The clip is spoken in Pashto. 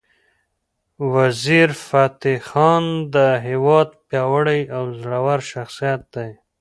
وزیرفتح خان د هیواد پیاوړی او زړور شخصیت دی.